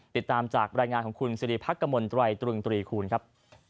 ติดตามจากรายงานของคุณสิริพักกมลตรายตรึงตรีคูณครับ